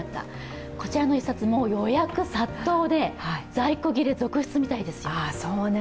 こちらの一冊、予約殺到で在庫切れ続出らしいですよ。